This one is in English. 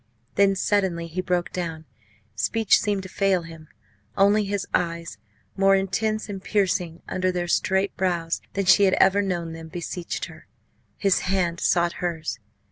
Then suddenly he broke down. Speech seemed to fail him. Only his eyes more intense and piercing under their straight brows than she had ever known them beseeched her his hand sought hers.